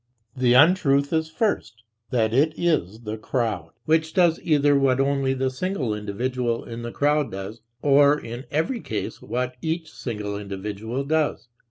The untruth is first that it is "the crowd," which does either what only the single individual in the crowd does, or in every case what each single individual does.